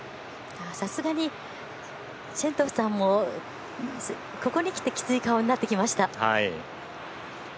さすがにシェントゥフさんもここにきてきつい顔になってきました。